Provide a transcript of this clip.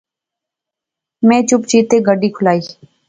میں چپ چپیتے گڈی کھلائی